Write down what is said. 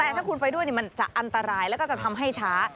แต่ถ้าคุณไปด้วยมันจะอันตรายแล้วก็จะทำให้ช้า